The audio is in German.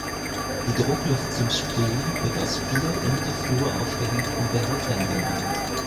Die Druckluft zum Sprühen wird aus vier unterflur aufgehängten Behältern genommen.